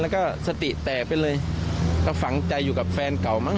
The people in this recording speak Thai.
แล้วก็สติแตกไปเลยก็ฝังใจอยู่กับแฟนเก่ามั้